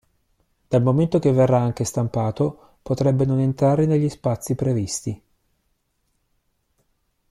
Dal momento che verrà anche stampato potrebbe non entrare negli spazi prevesti.